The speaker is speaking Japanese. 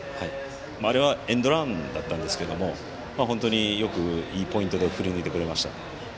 あれはエンドランだったんですけど本当にいいポイントで振り抜いてくれました。